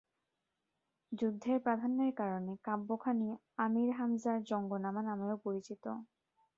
যুদ্ধের প্রাধান্যের কারণে কাব্যখানি ‘আমীর হামজার জঙ্গনামা’ নামেও পরিচিত।